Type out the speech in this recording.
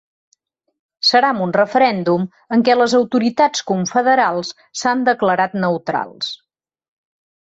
Serà amb un referèndum en què les autoritats confederals s’han declarat neutrals.